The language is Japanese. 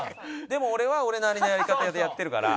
でも俺は俺なりのやり方でやってるから。